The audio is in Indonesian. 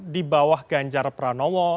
di bawah ganjar pranowo